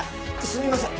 すみません